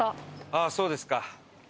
ああそうですか。